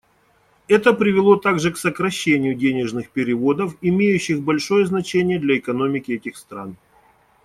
Это привело также к сокращению денежных переводов, имеющих большое значение для экономики этих стран.